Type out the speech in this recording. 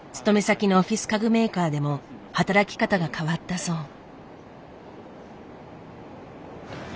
勤め先のオフィス家具メーカーでも働き方が変わったそう。